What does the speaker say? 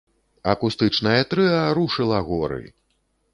Акустычнае трыа рушыла горы!